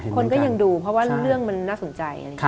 คนก็ยังดูเพราะว่าเรื่องมันน่าสนใจ